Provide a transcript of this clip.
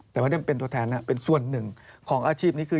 แต่วันนี้เป็นตอบแทนน่ะเป็นส่วน๑ของอาชีพนี้คือ